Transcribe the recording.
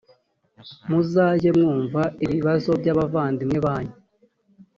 muzajye mwumva ibibazo by’abavandimwe banyu